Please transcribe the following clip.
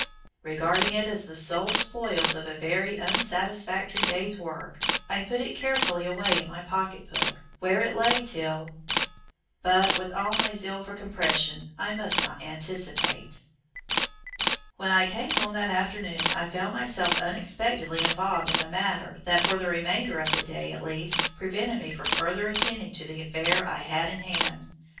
Regarding it as the sole spoils of a very unsatisfactory day's work, I put it carefully away in my pocket book, where it lay till But with all my zeal for compression, I must not anticipate. When I came home that afternoon I found myself unexpectedly involved in a matter that for the remainder of the day at least, prevented me from further attending to the affair I had in hand.